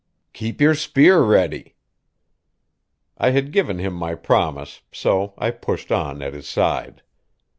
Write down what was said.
"Keep your spear ready." I had given him my promise, so I pushed on at his side.